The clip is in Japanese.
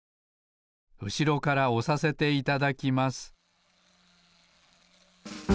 うしろからおさせていただきます